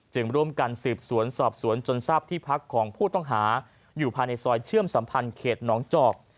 ร่วมกันสืบสวนสอบสวนจนทราบที่พักของผู้ต้องหาอยู่ภายในซอยเชื่อมสัมพันธ์เขตหนองจอก